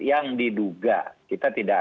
yang diduga kita tidak